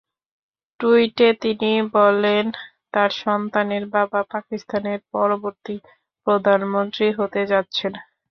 টুইটে তিনি বলেন, তাঁর সন্তানের বাবা পাকিস্তানের পরবর্তী প্রধানমন্ত্রী হতে যাচ্ছেন।